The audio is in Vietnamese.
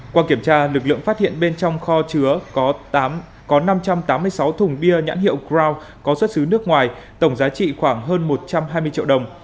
qua kiểm tra lực lượng phát hiện bên trong kho chứa có năm trăm tám mươi sáu thùng bia nhãn hiệu cront có xuất xứ nước ngoài tổng giá trị khoảng hơn một trăm hai mươi triệu đồng